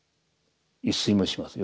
一睡もしません。